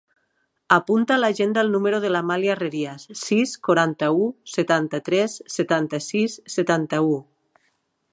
Apunta a l'agenda el número de l'Amàlia Herrerias: sis, quaranta-u, setanta-tres, setanta-sis, setanta-u.